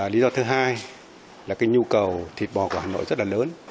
lý do thứ hai là cái nhu cầu thịt bò của hà nội rất là lớn